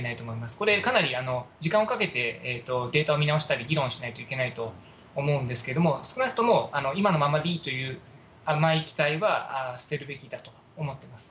これ、かなり時間をかけて、データを見直したり議論しないといけないと思うんですけれども、少なくとも今のままでいいという甘い期待は捨てるべきだと思ってます。